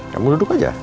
kamu duduk aja